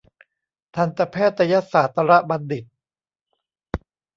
ทันตแพทยศาสตรบัณฑิต